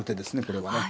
これはね。